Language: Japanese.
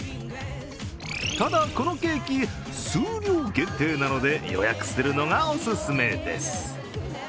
ただ、このケーキ、数量限定なので予約するのがおすすめです。